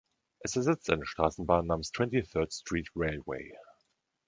Es ersetzt eine Straßenbahn namens Twenty-third Street Railway.